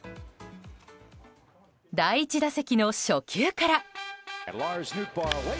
第１打席の初球から。